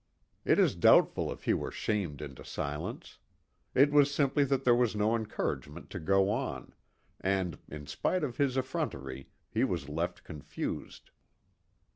It is doubtful if he were shamed into silence. It was simply that there was no encouragement to go on, and, in spite of his effrontery, he was left confused.